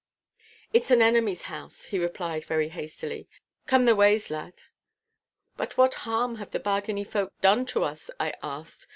'It is an enemy's house!' he replied very hastily. 'Come thy ways, lad!' 'But what harm have the Bargany folk done to us?' I asked.